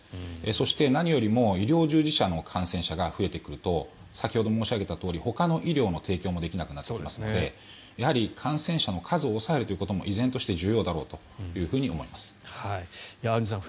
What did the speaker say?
そして、何よりも医療従事者の感染者が増えてくると先ほど申し上げたとおりほかの医療の提供もできなくなってきますのでやはり感染者の数を抑えるということも依然として重要だろうと思いますね。